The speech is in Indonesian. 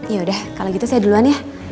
yaudah kalau gitu saya duluan ya